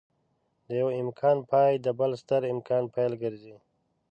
د يوه امکان پای د بل ستر امکان پيل ګرځي.